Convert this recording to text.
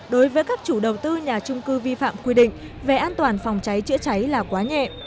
đối với các chủ đầu tư nhà trung cư vi phạm quy định về an toàn phòng cháy chữa cháy là quá nhẹ